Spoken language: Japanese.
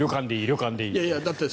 旅館でいいって。